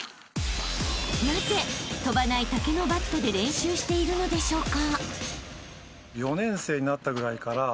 ［なぜ飛ばない竹のバットで練習しているのでしょうか？］